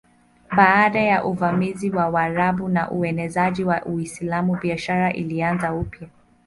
Baada ya uvamizi wa Waarabu na uenezaji wa Uislamu biashara ilianza upya.